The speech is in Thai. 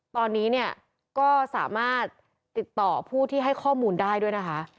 ตอนนี้เนี่ยก็สามารถติดต่อผู้ที่ให้ข้อมูลได้ด้วยนะคะ